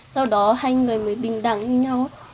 sau đó hai người mới bình đẳng như nhau